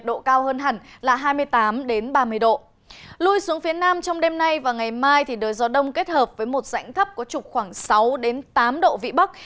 đến nam trong đêm nay và ngày mai đời gió đông kết hợp với một rãnh thấp có trục khoảng sáu tám độ vĩ bắc